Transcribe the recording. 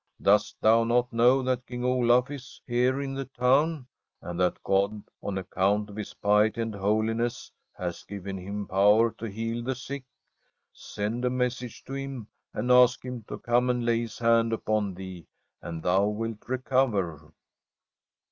' Dost thou not know that King Olaf is here in the town, and that God, on ac count of his piety and holiness, has given him power to heal the sick ? Send a message to him and ask him to come and lay his hand upon thee, and thou wilt recover.'